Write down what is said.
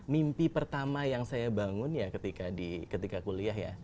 mimpi pertama yang saya bangun ya ketika kuliah ya